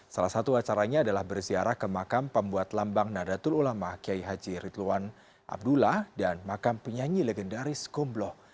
salah satu acaranya adalah berziarah ke makam pembuat lambang nadatul ulama kiai haji ridwan abdullah dan makam penyanyi legendaris komblo